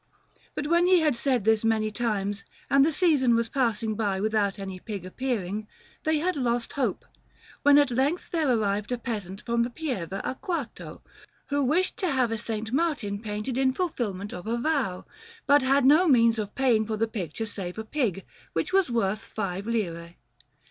But when he had said this many times and the season was passing by without any pig appearing, they had lost hope, when at length there arrived a peasant from the Pieve a Quarto, who wished to have a S. Martin painted in fulfilment of a vow, but had no means of paying for the picture save a pig, which was worth five lire.